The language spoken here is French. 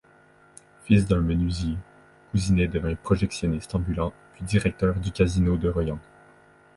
Fils d'un menuisier, Couzinet devient projectionniste ambulant puis directeur du casino de Royan.